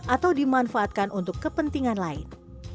atau dimanfaatkan untuk kepentingan lain